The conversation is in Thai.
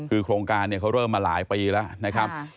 คือโครงการเนี่ยเขาเริ่มมาหลายปีแล้วนะครับ